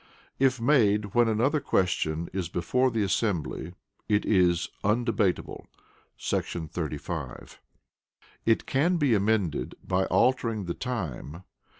If made when another question is before the assembly, it is undebatable [§ 35]; it can be amended by altering the time.